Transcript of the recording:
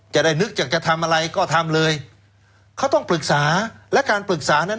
จะได้นึกอยากจะทำอะไรก็ทำเลยเขาต้องปรึกษาและการปรึกษานั้น